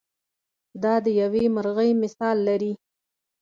دا د یوې مرغۍ مثال لري.